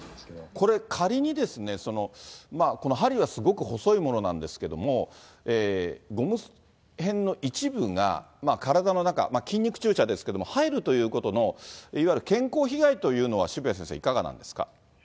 これ、仮にですね、その、この針はすごく細いものなんですけど、ゴム片の一部が体の中、筋肉注射ですけども、入るということのいわゆる健康被害というのは、渋谷先生、いかがなんですか。